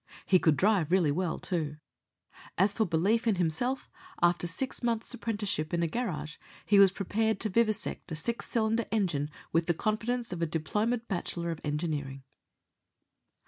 He could drive really well, too; as for belief in himself, after six months' apprenticeship in a garage he was prepared to vivisect a six cylinder engine with the confidence of a diplomaed bachelor of engineering.